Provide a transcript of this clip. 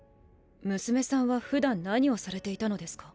娘さんはふだん何をされていたのですか？